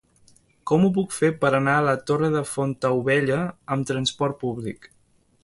Com ho puc fer per anar a la Torre de Fontaubella amb trasport públic?